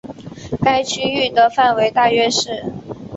该区域的范围大约是。